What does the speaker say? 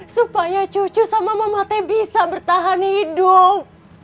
supaya cucu sama mama teh bisa bertahan hidup